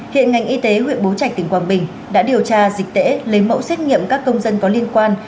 hiện ngành y tế huyện bố trạch tỉnh quảng bình đã điều tra dịch tễ lấy mẫu xét nghiệm các công dân có liên quan